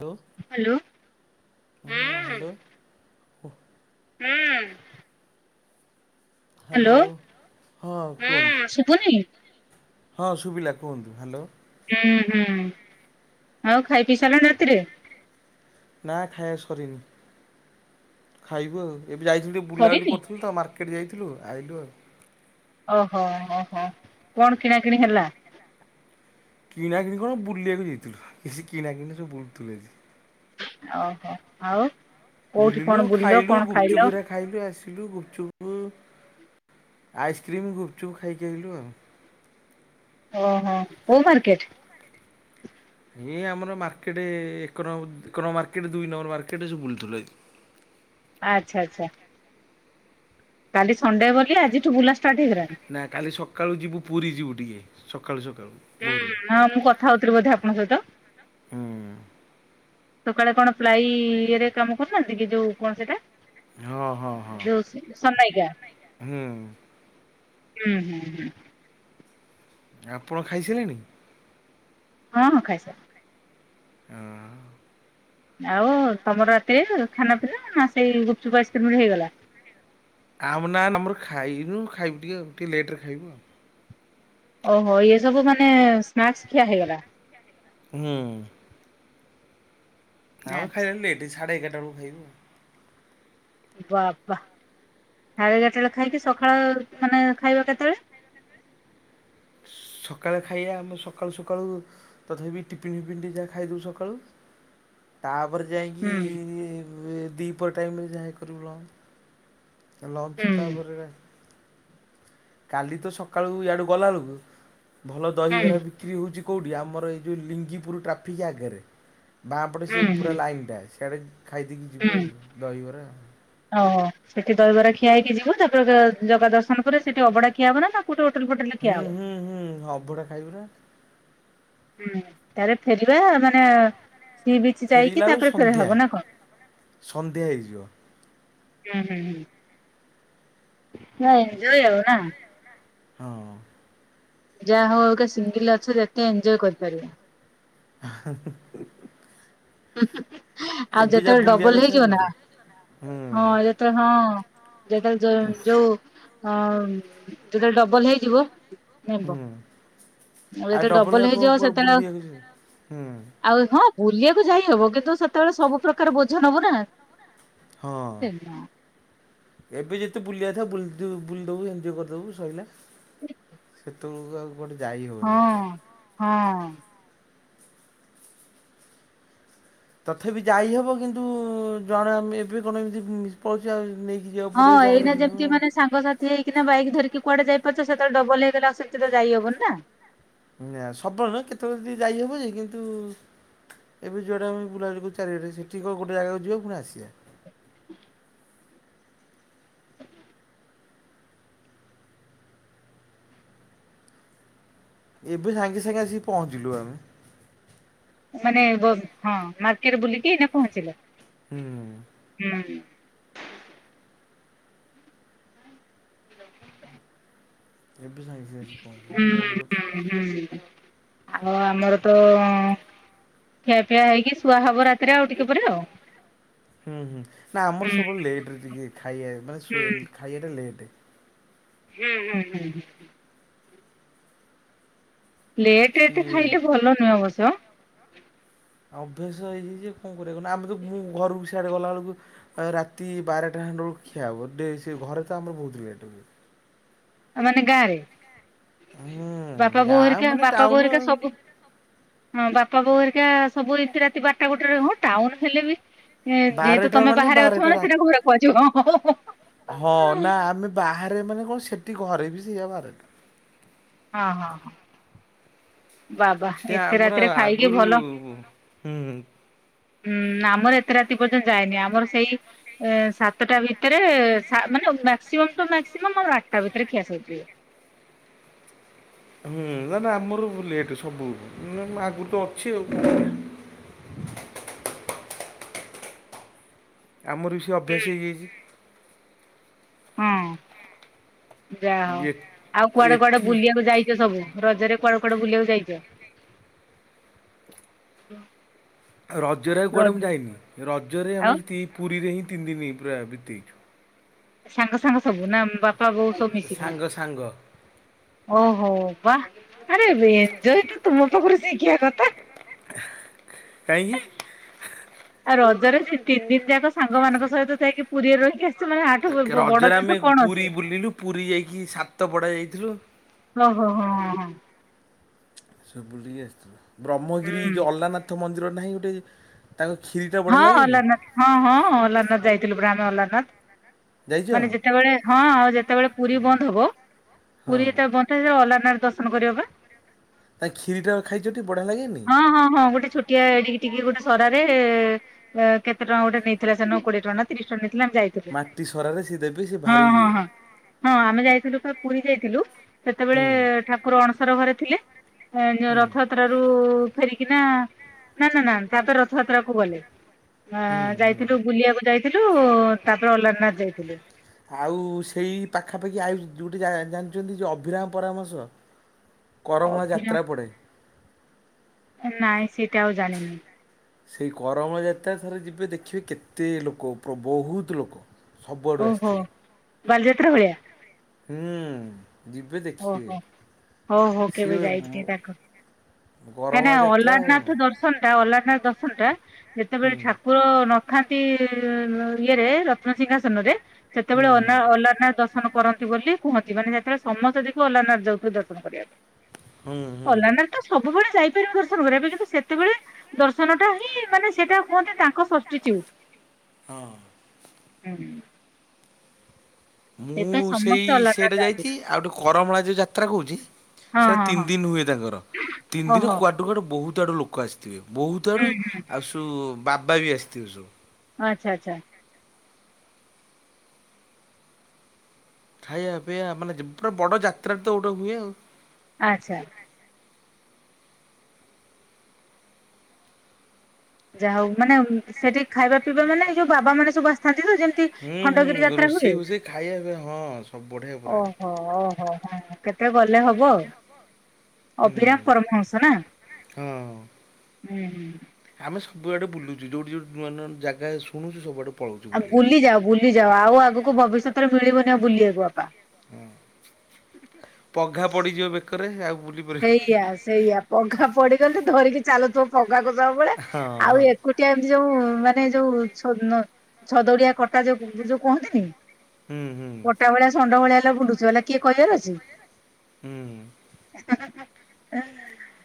ହଁ hello hello. ହୁଁ। Hello hello. ହଁ କୁହନ୍ତୁ ହୁଁ ସୁବୁନି? ହଁ ଶୁଭିଲା କୁହନ୍ତୁ ହ୍ୟାଲୋ। ହୁଁ-ହୁଁ ଆଉ ଖାଇ ପିଇସାରିଲାଣି ରାତିରେ? ନାଁ ଖାଇ ସରିନି ଖାଇବୁ ଆଉ। ଏବେ ଯାଇଥିଲୁ ବୁଲାବୁଲି ସରିନି। କରୁଥିଲୁ ତ ମାର୍କେଟ ଯାଇଥିଲୁ ଆଇଲୁ ଆଉ। ଓହୋ ଓ-ହୋ କଣ କିଣା କିିଣି ହେଲା? କିଣା କିିନି କ ବୁଲି ବାକୁ ଯାଇଥିଲୁ କି କିନା କି ସବୁ ବୁ ତୁ ଓହୋ ଆଉ? କୋଉଠି କଣ ବୁଲିଲୁ ବୁଲିଲ ଖାଇଲୁ କଣ ଖାଇଲ? ଗୁପଚୁପୁର ଖାଇଲୁ ଆସିଲୁ ଗୁପ ଆଇସ୍କ୍ରିମ ଗୁପୁଚୁପ ଖାଇକି ଆଇଲୁ ଆଉ। ଓହୋ କୋଉ ମାରର୍କେଟ। ଏଇ ଆମର ମାର୍କେଟ ଏକ ନମ୍ବର ଦୁଇ ନମ୍ବର ମାର୍କେଟ ଯୋଉଁ ବୁଲୁଥୁଲୁ ଆଜି। [unintelligible] ଆଚ୍ଛା-ଆଚ୍ଛା। କାଲି ସଣ୍ଡେ ବୋଲି ଆଜିଠୁ ବୁଲାସ ନାଁ କାଲି ସକାଳୁ ଯିବୁ ପୁରୀ ଯିବୁ ଟିକେ ସକାଳୁ ସକା ହୁଁ ହଁ ମୁଁ କଥା ହଉଥିଲି ବୋଧେ ଆପଣଙ୍କ ସହିତ? ହୁଁ। ସକାଳେ କଣ ପ୍ଲାଇ ଇଏରେ କାମ କରୁନାହାନ୍ତି କି ଯୋଉ କଣ ସେଇଟା। ହଁ ହଁ ହଁ ଯୋଉଁ ସଂମୟିକା। ହୁଁ ହୁଁ-ହୁଁ-ହୁଁ। ଆପଣ ଖାଇସାରିଲେଣି? ହଁ-ହଁ ଖାଇ ହଁ। ଆଉ ତମର ରାତିରେ ଖାନା ପିନା ସେଇ ଗୁପଚୁପ ଆଇସ୍କ୍ରିମ ରେ ହେଇଗଲା? ଆମ ନାଁ ଆମର ଖାଇନୁ ଖାଇବୁ ଟିକେ ଆଉ ଟିକେ ଲେଟରେ ଖାଇବୁ ଆଉ। ଓହୋ ଇ ସବୁ ମାନେ ସ୍ନାକ୍ସ ଖିଆ ହେଇଗଲା? ହୁଁ। ଆମ ଆଚ୍ଛା ଖାଇବା ଲେଟ ସାଢେ ଏଗାରଟା ବେଳକୁ ଖାଇବୁ। ବାପା। ସାଢେ ଏଗାର ବେଳେ ଖାଇକି ସକାଳ ମାନେ ଖାଇବା କେତେବେଳେ? ସକାଳୁ ଖାଇବା ଆମେ ସକାଳୁ ସକାଳୁ ତଥାପି ଟିଫିନ୍-ଫିଫିିନ ଟିକେ ଯାହା ଖାଇଦେଉୁ ସକାଳୁ। ତାପରେ ହୁଁ ଯାଇକି ଦିପ ପହର ଟାଇମରେ ଯାହା କରିବୁ। ହୁଁ ଲଞ୍ଚ ତାପରେ ରା କାଲି ତ ସକାଳୁ ଏଆଡୁ ଗଲାବେଳକୁ ଭଲ ହୁଁ ଦହିବରା ବିକ୍ରି ହଉଛି କେଉଁଠି ଆମର ଏଇ ଯେଉଁ ଲିଙ୍ଗିପୁର ଟ୍ରାଫିକ୍ ଆଗରେ ବାଁପଟେ ସେ ହୁଁ ପୁରା ହୁଁ ଲାଇନ୍ଟା ସେଇଆଡ଼ା ହୁଁ ଓ ସେଠି ଦହିବରା ଖିଆ ହେଇ ଯିବ ତାପରେ ଜଗା ଦର୍ଶନରେ ସେଠି ଅଭଡ଼ା ଖିଆ ହବ ନାଁ ନାଁ ହୁଁ-ହୁଁ-ହୁଁ ଅଭଡ଼ା ଖାଇବୁ ନାଁ। ହୁଁ ତାରେ ଫେରିବା ମାନେ ସିବିଚ ଯାଇକି ଫେରିଲା ବେଳକୁ ତାପରେ ଫେରା ସନ୍ଧ୍ୟା ହବ ନାଁ କଣ? ସନ୍ଧ୍ୟା ହେଇଯିବ ହୁଁ-ହୁଁ-ହୁଁ। ନାଇଁ ଯାଈହବନା ହଁ। ଯାହା ହଉ ସିଙ୍ଗିଲ ଅଛ ଯେତେ ଏଞଜୟ କରିପାରିବ। [unintelligible] ଆଉ ଏବେ ଯା ଯେତେବେଳେ ବୁଲିବା ଡବଲ କଥା ହେଇଯିବ ନା ବୁଲୁ ହୁଁ ହଁ ଯେତେବେଳେ ହଁ ଯେତେବେଳେ ଯ ଯୋଉ ଅ ଯେତେବେଳେ ଡବଲ ହେଇଯିବ ନେବ ହୁଁ। ଆଉ ଯେତେବେଳେ ଡବଲ [unintelligible] ଆଉ ହେଇଯିବ କୁଆଡେ ସେତେବେଳେ ବୁଲିଆକୁ ଯିବୁ ହୁଁ। ବୁଲିଆକୁ ଯାଇ ହବ କିନ୍ତୁ ସେତେବେଳେ ସବୁ ପ୍ରକାର ବୋଝ ନବୁ ନା। ହଁ ହଁ ଏବେ ଯେତେ ବୁଲିଆ ବୁୁଲଦଉ ବୁଲିଦବୁ ଏଞ୍ଜୟ୍ କରିଦବୁ ସଇଲା ସେତଅଳୁକୁ ଆଉ କୁଆଡ଼େ ଯାଇ ହେବନି ହଁ ଏତେ। ହଁ। ତଥାପି ଯାଇହବ କିନ୍ତୁ ଜଣେ ଆମ ଏବେ କଣ ଏମିତି ପଇସା ନେଇ ହଁ ଏଇନା ଯେମିତି ମାନେ ସାଙ୍ଗସାଥି ହେଇକିନା ବାଇକ୍ ଧରିକି କୁଆଡେ ଯାଇପାରୁଛ ସେତେଳେ ଡବଲ ହେଇଗଲେ ଆଉ ସେତେବେଳେ ଯାଇହବନି ନା। ନାଁ ସବୁବେଳେ ନୁହେଁ କେତେବେଳେ ଯଦି ଯାଇହବ ଯେ କିନ୍ତୁ ଏବେ ଯୁଆଡେ ଆମେ ବୁଲା ବୁଲି କରୁଚୁ ଚାରିଆଡେ ସେଠି କଣ ଗୋଟେ ଜାଗାକୁ ଯିବା ପୁଣି ଆସିଆ। ଏବେ ସାଙ୍ଗେ ସାଙ୍ଗେ ଆସିକି ପହଞ୍ଚିଲୁ ଆମେ ମାନେ ଏବଂ ହଁ ମାର୍କେଟ ବୁଲିକି ଏଇନେ ପହଞ୍ଚିଲେ? ହୁଁ। ହୁଁ। ଏବେ ସାଙ୍ଗେ ସାଙ୍ଗେ ଆସିକି ପହଞ୍ଚିଲି ହୁଁ ବୁଲା ବୁଲି କରୁଥିଲି ହୁଁ ହୁଁ ତ। ଆଉ ଆମର ତ ଖିଆପିଆ ହେଇକି ଶୁଆ ହବ ରାତିରେ ଆଉ ଟିକେ ପରେ ଆଉ ହୁଁ ହୁଁ ନା ଆମର ହୁଁ ସବୁବେଳେ ଲେଟ୍ ରେ ଟିକେ ଖାଇବା ମାନେ ହୁଁ ଶୋ ଖାଇଆଟା ଲେଟେ। ହୁଁ ହୁଁ ହୁଁ ହୁଁ। ଲେଟ୍ ରେ ଏତେ ସିଏ ଖାଇଲେ ଭଲ ନୁହେଁ ଅବଶ୍ୟ ଅଭ୍ୟାସ ହେଇଯାଇଛି ଯେ କଣ କରିବା କହୁନ ଆମେ ତ ମୁଁ ଘରକୁ ସି ଆଡେ ଗଲାବେଳକୁ ରାତି ବାରଟା ଖଣ୍ଡେ ବେଳକୁ ଖିଆ ହବ ଡେ ସେ ଘରେ ତ ଆମର ବହୁତ ଲେଟେ ହୁଏ। ମାନେ ଗାଁରେ? ହୁଁ ବାପା ବୋଉ ଗାଁ ହରିକା ମାନେ ବାପା ବୋଉ ଟାଉନ ହରିକା ଆଉ ସବୁ ହଁ ବାପା ବୋଉ ହରି କା ସବୁ ଏତେ ରାତି ବାରଟା ଗୋଟେରେ ହଁ ଟାଉନ ହେଲେ ବି ଯେ ଯେହେତୁ ବାରଟା ତମେ ମାନେ ବାହାରେ ଅଛ ବାରଟା ମାନେ ରା ସେଟା ଘରେ କୁହାଯିବ। ହଁ ନା ଆମେ ବାହାରେ ମାନେ କଣ ସେଠି ଘରେ ବି ସେଇଆ ବାହାରେ ହଁ ହଁ ହଁ। ବାବା ସିଏ ଏତେ ଆମର ରାତିରେ ଖାଇକି ଆଗରୁ ଭଲ ହୁଁ ହୁଁ। ହୁଁ ଆମର ଏତେ ରାତି ପର୍ଯ୍ୟନ୍ତ ଯାଏନି ଆମର ସେଇ ଅ ସାତଟା ଭିତରେ ସା ମାନେ ମାକ୍ସିମମ୍ ଟୁ ମାକ୍ସିମମ୍ ଆମ ଆଠଟା ଭିତରେ ଖିଆସରିଯିବ। ହୁଁ ନା ନା ଆମର ସବୁ ଲେଟ୍ ରେ ସବୁ ନା ଆଗରୁ ତ ଅଛି ଆଉ। ଆମର ବି ସେ ଅଭ୍ୟାସ ହେଇଯାଇଛି। ହଁ। ଯାହଉ ଏ ଆଉ କୁଆଡେ କୁଆଡେ ଏଠି ବୁଲିଆକୁ ଯାଇଚ ସବୁ ରଜରେ? କୁଆଡ଼େ କୁଆଡ଼େ ବୁଲିଆକୁ ଯାଇଚ? ରଜରେ ଆଉ କୁଆଡ଼େ ମୁଁ ଯାଇନି ରଜରେ ଆଉ ଆମେ ଯେତିକି ପୁରୀରେ ହିଁ ତିନି ଦିନି ପୁରା ବିତେଇଛୁ। ସାଙ୍ଗ ସାଙ୍ଗ ସବୁ ନା ବାପା ବୋଉ ସବୁ ମିଶିକି? ସାଙ୍ଗ ସାଙ୍ଗ ଓହୋ ବା ଆରେ ଏଞ୍ଜୟ ତ [unintelligible] କଥା କାହିଁକି? ଆଉ ରଜରେ ତିନି ଦିନି ଯାକ ସାଙ୍ଗମାନଙ୍କ ସହିତ ଯାଇକି ପୁରୀରେ ରହିକି ଆସ ରଜରେ ଆମେ ପୁରୀ ବୁଲିଲୁ ପୁରୀ ଯାଇକି ସାତ ପଡା ଯାଇଥିଲୁ। ହ-ହୋ-ହୋ-ହଁ-ହଁ। ସବୁ ଟିକେ ଆସିଥିଲ ବ୍ରହ୍ମଗିରି ହୁଁ ଯେଉଁ ଅଲାନାଥ ମନ୍ଦିର ନାହିଁ ଗୋଟେ ତାଙ୍କ କ୍ଷୀରିଟା ବଢ଼ିଆ ହଁ ଲାଗେନି ଅଲାନାଥ ହଁ-ହଁ ଅଲାନାଥ ଯାଇଥିଲୁ ମୋନେ ଅଲାନାଥ। ଯାଇଛ ମାନେ ଯେତେବେଳେ ହଁ ଆଉ ଯେତେବେଳେ ପୁରୀ ବନ୍ଦ ହବ ହଁ ପୁରୀ ଯେତେବେଳେ ବନ୍ଦ ସେ ଅଲାନାଥ ଦର୍ଶନ କରିବା ପାଇଁ। ତା କ୍ଷୀରିଟା ଖାଇଛଟି ବଢ଼ିଆ ଲାଗେନି ହଁ-ହଁ-ହଁ ଗୋଟେ ଛୋଟିଆ ଏଡିକି ଟିକେ ଗୋଟେ ସରାରେ କେତେ ଟଙ୍କା ଗୋଟେ ନେଇଥିଲା ସେନ କୋଡିଏ ଟଙ୍କା ତିରିଶ ଟଙ୍କା ନେଇଥିଲା। ଯାଇଥିଲୁ ମାଟି ସରାରେ ସିଏ ଦେବେ ସେ ଭାରି ଇଏ ହଁ-ହଁ-ହଁ-ହଁ ଆମେ ଯାଇଥିଲୁ ପୁରୀ ଯାଇଥିଲୁ ସେତେବେଳେ ହୁଁ ଠାକୁର ଅଣସର ଘରେ ଥିଲେ। ହୁଁ ରଥଯାତ୍ରା ରୁ ଫେରିକି ନା-ନା-ନା-ନା ତାପରେ ରଥଯାତ୍ରା କୁ ଗଲେ। ଆ ହୁଁ ହୁଁ ଯାଇଥିଲୁ ବୁଲିବାକୁ ଯାଇଥିଲୁ ତାପରେ ଅଲାରନାଥ ଯାଇଥିଲୁ। ଆଉ ସେଇ ପାଖାପାଖି ଆଉ ଯୋଉଟେ ଜାଣିଛନ୍ତି ଯେ ଅଭିରାମ ପରମହଂସ। କର୍ମଳା ଅଭିରାମ ଯାତ୍ରା ପଡ଼େ। ନାଇଁ ସେଟା ଆଉ ଜାଣିନି। ସେଇ କର୍ମଳା ଯାତ୍ରା ଥରେ ଯିବେ ଦେଖିବେ କେତେ ଲୋକ ବହୁତ ଲୋକ। ସବୁଆଡ଼ୁ ଓହୋ ଆସିଥିବେ। ବାଲିଯାତ୍ରା ଭଳିଆ। ହୁଁ ଯିବେ ଦେଖିବେ ଓହୋ ହଉ ସିଏ କାହିଁକି ନା କରମଳା ଯାତ୍ରା ହୁଁ ଅଲାରନାଥ ଦର୍ଶନ ଟା ଅଲାରନାଥ ଦର୍ଶନ ଟା ଯେତେବେଳେ ହୁଁ ଠାକୁର ନଥାନ୍ତି ଇଏରେ ରତ୍ନସିଂହାସନ ରେ ସେତେବେଳେ ହୁଁ ଅ ଅଲାରନାଥ ଦର୍ଶନ କରନ୍ତି ବୋଲି କୁହନ୍ତି ମାନେ ଯେତେବେଳେ ସମସ୍ତ ଦେଖିବେ ଅଲାରନାଥ ଯାଉଥିବେ ଦର୍ଶନ କରିବା ପାଇଁ। ହୁଁ ହୁଁ ଅଲାରନାଥ ତ ସବୁବେଳେ ଯପାରିବା ଦର୍ଶନ କରିବା ପାଇଁ କିନ୍ତୁ ସେତେବେଳେ ଦର୍ଶନଟା ହିଁ ମାନେ ସେଇଟା କୁହନ୍ତି ତାଙ୍କ ସବ୍ଷିଚିଉଟ ହଁ ହୁଁ। ମୁଁ ସେଥିପାଇଁ ସେଇ ସମସ୍ତେ ଅଲାରନାଥ ସେଇଟା ଯାଆନ୍ତି ଯାଇଛି ଆଉ ଗଟେ କର୍ମଳା ଯୋଉ ଯାତ୍ରା କହୁଛି। ହଁ ସେଇଟା ହଁ ତିନି ହଁ ଦିନ ହୁଏ ତାଙ୍କର ତିନି ଦିନ ଓହୋ କୁଆଡୁ କୁଆଡେ ବହୁତ ବହୁତ ଆଡୁ ଲୋକ ଆସିଥିବେ ବହୁତ ଆଡୁ ହୁଁ ହୁଁ। ଆଉ ସବୁ ବାବା ବି ଆସିଥିବେ ସବୁ। ଆଚ୍ଛା-ଆଚ୍ଛା। ଖାଇବା ପିଇବା ମାନେ ପୁରା ବଡ ଯାତ୍ରାରେ ତ ଗୋଟେ ହୁଏ ଆଉ। ଆଚ୍ଛା। ଯାହା ହଉ ମାନେ ସେଠି ଖାଇବା ପିଇବା ମାନେ ଯୋଉ ବାବା ମାନେ ସବୁ ଆସିଥାନ୍ତି। ଯେମତି ହୁଁ ଖଣ୍ଡଗିରି ହୁଁ ଯାତ୍ରା ହୁଏ। ରୋଷେଇ ଫୋଷେଇ ଖାଇବା ପିଇବା ହଁ ସବୁ ବଢ଼ିଆ ପୁରା। ଓହୋ-ଓହୋ। ହଁ କେତେ ଗଲେ ହବ ଆଉ। ହୁଁ ଅଭିରାମ ପରମହଂସ ନା ହଁ। ହୁଁ। ଆମେ ସବୁଆଡେ ବୁଲୁ ଯୋଉଠି ଯୋଉି ନୂଆ ନୂଆ ଜାଗା ଶୁଣୁଛୁ ସବୁଆଡେ ଆଉ ବୁଲି ଯାଉ ବୁଲି ଯାଉ ଆଉ ଆଗକୁ ଭବିଷ୍ୟତରେ ମିଳିବନି ଆଉ ବୁଲିବାକୁ ବାପା। ହଁ ପଘା ପଡିଯିବ ବେକରେ ଆଉ ବୁଲି ପାରିବୁ କୁଆଡ଼େ ସେଇଆ-ସେଇଆ ପଘା ପଡିଗଲେ ଧରିକି ଚାଲୁଥିବ ଲଗାକୁ ଦବ ବଳେ ହଁ ଆଉ ହଁ ଏକୁଟିଆ ଏମିତି ଯୋଉ ମାନେ ଯୋଉ ଛଦଡିଆ କଟା ଯୋଉ ଯୋଉ କୁହନ୍ତିନି। ହୁଁ ହୁଁ ଗୋଟା ଭଳିଆ ଷଣ୍ଢ ଭଳିଆ ହେଲା ବୁଲୁଛି ହେଲା କିଏ କହିବାର ଅଛି। ହୁଁ। ହଁ-ହଁ-ହଁ।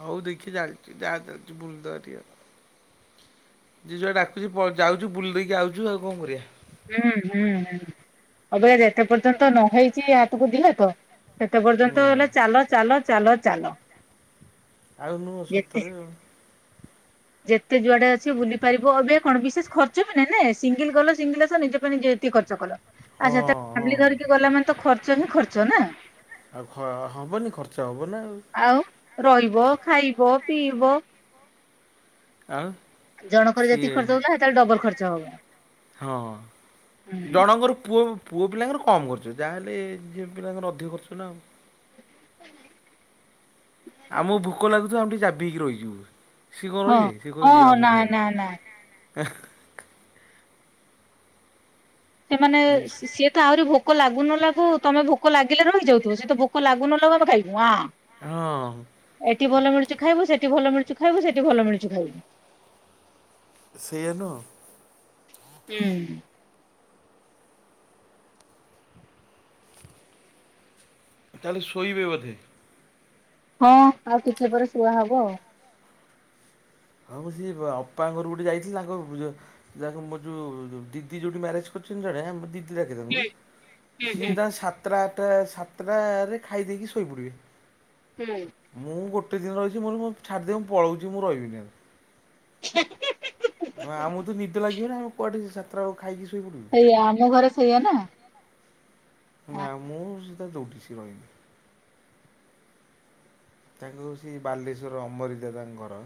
ହଉ ଦେଖି ଚାଲିଛି ଯାହା ଚାଲିଛି ବୁଲଦବା ଟିକେ। ଯିଜୁଆଡେ ଡାକୁଛି ଯାଉଛୁ ବୁଲି ଦେଇକି ଆାଉଛୁ ଆଉ କଣ କରିବା? ହୁଁ-ହୁଁ-ହୁଁ ଅବେକା ଯେତେ ପର୍ଯ୍ୟନ୍ତ ନ ହେଇଛି ହାତକୁ ଦି ହାତ ସେତେ ପର୍ଯ୍ୟନ୍ତ ହୁଁ ହେଲେ ଚାଲ-ଚାଲ-ଚାଲ-ଚାଲ। ଆଉ ନୁହଁ ସତରେ ଆଉ। ଯେତେ ଯୁଆଡେ ଅଛି ବୁଲି ପାରିବ ଏବେ କଣ ବିଶେଷ ଖର୍ଚ୍ଚ ବି ନାଇଁ ନା ସିଙ୍ଗିଲ-ସିଙ୍ଗିଲ ଆସ ନିଜେ ପାଇଁ ନି ଖର୍ଚ୍ଚ କଲ ଆଚ୍ଛା ହଁ ହଁ ଫ୍ୟାମିଲ ଧରିକି ଗଲା ମାନେ ତ ଖର୍ଚ୍ଚ ହିଁ ଖର୍ଚ୍ଚ ନା। ଆଉ ହ ହବନି ଖର୍ଚ୍ଚ ହବ ନା ଆଉ। ରହିବ ଖାଇବ ପିଇବ। ଆଉ ଜଣକର ଯେତିି ସିଏ ଖର୍ଚ୍ଚ ହଉଛି ଏଥିରେ ଡବଲ ଖର୍ଚ୍ଚ ହବ। ହଁ ହୁଁ ଜଣଙ୍କର ପୁଅ ପୁଅ ପିଲାଙ୍କର କମ୍ ଖର୍ଚ୍ଚ ଯାହାହେଲେ ଝିଅ ପିଲାଙ୍କର ଅଧିକ ଖର୍ଚ୍ଚ ନା ଆଉ। ଆମକୁ ଭୋକ ଲାଗୁଥିବ ଆମେ ଟିକେ ଜାବିଇକି ରହିଯିବୁ। ସିଏ କଣ ହଁ ରହିବେ ଓ ନା ନା ନା। ହେଁ। ସେମାନେ ଜିନିଷ ସିଏ ତ ଆହୁରି ଭୋକ ଭୋକ ଲାଗୁ ନ ଲାଗୁ ତମେ ଭୋକ ଲାଗିଲେ ରହିଯାଉଥିବ ସେ ତ ଭୋକ ଲାଗୁ ନ ଲାଗୁ ଆମେ ଖାଇଦବୁ ଆଁ। ହଁ। ଏଠି ଭଲ ମିଳୁଚ ଖାଇବୁ ସେଠି ଭଲ ମିଳୁ ଚି ଖାଇବୁ ସେଠି ଭଲ ମିଳୁଛି ଖାଇବୁ। ସେୟା ନୁହଁ। ହୁଁ। ତାହେଲେ ଶୋଇବେ ବୋଧେ। ହଁ ଆଉ ଟିକେ ପରେ ଶୁଆ ହବ ଆଉ। ହମ ମୁଁ ସିଏ ଅପା ଘର ଗୋଟେ ଯାଇଥିଲି ତାଙ୍କ ଯ ମୋର ଯୋଉ ଦିଦି ଯୋଉଠି ମ୍ୟାରେଜ କରିଛି। ସୁନ୍ଦର ଆମେ ଦିଦି ଡାକେ ହୁଁ ତାଙ୍କୁ ହୁଁ ସିଏ ହୁଁ ତାଙ୍କ ସାତ୍ରା ସାତଟ ଖାଇ ଦେଇକି ଶୋଇପଡ଼ିବେ ହୁଁ। ମୁଁ ଗୋ ଗୋଟେ ରହିଛି ମୋତେ ଛାଡ଼ିଦିଅ ମୁଁ ପଳାଉଛି ରିହିବିନି ଆଉ। ହେଁ ହେଁ। ଆମକୁ ତ ନିଦ ଲାଗିବନି ଆମେ କୁଆଡ଼େ ସାତଟା ବେଳକୁ ଖାଇକି ଶୋଇପଡ଼ିବୁ। ସେଇଆା ଆମ ଘରେ ସେଇଆା ନା। ନା ମୁଁ ସେଇଟା ଯୋଗିଶି କହିନି। ତାଙ୍କ ସେ ବାଲେଶ୍ଵର ଅମରିଦାଦାଙ୍କ ଘର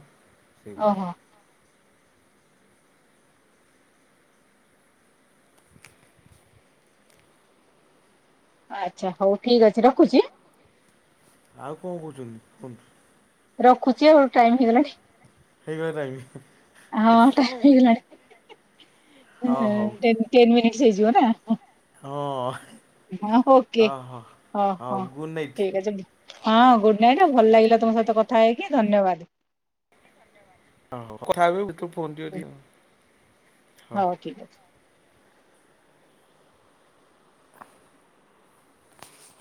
ଓହୋ ସେଇପଟେ। ଆଚ୍ଛା ହଉ ଠିକ ଅଛି ରଖୁଛି। ଆଉ କଣ କହୁଛନ୍ତି କୁହନ୍ତୁ। ରଖୁଛି ଆଉ ଟାଇମ ହେଇଗଲାଣି ହେଇଗଲା ଟାଇମ୍। ହଁ ଟାଇମ ହେଇଗଲାଣି। ହଁ ହେଁ ହଉ ଟେନ ଟେନ ମିନଟସ୍ ହେଇଯିବ ନା। ହଁ ହେଁ। ହ ହ ଓକେ ହ ହଉ ହଁ ଗୁଡ଼୍ ନାଇଟ୍ ଠିକ ଅଛି। ହଁ ଗୁଡ ନାଇଟ୍ ଭଲ ଲାଗିଲା ତମ ସହିତ କଥା ହେଇକି ଧନ୍ୟବାଦ। ହ ହୋ କଥା ଭିତରୁ ଫୋନ ଟିକେ ଟିକେ ହ। ହଉ ଠିକ ଅଛି।